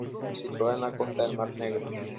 Situada en la costa del mar Negro.